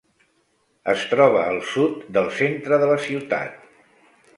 Es troba al sud del centre de la ciutat.